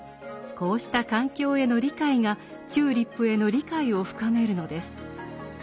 こうした環境への理解がチューリップへの理解を深めるのです。